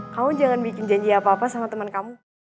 kamu jangan bikin janji apa apa sama teman kamu